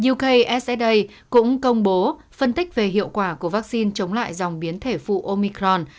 ukssa cũng công bố phân tích về hiệu quả của vaccine chống lại dòng biến thể phụ omicron